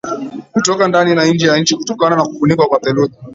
kutoka ndani na nje ya nchi kutokana na kufunikwa na theluji